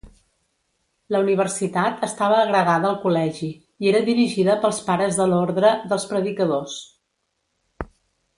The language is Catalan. La universitat estava agregada al col·legi, i era dirigida pels pares de l'ordre dels predicadors.